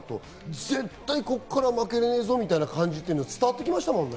絶対ここから負けられねぇぞみたいなのが伝わってきましたよね。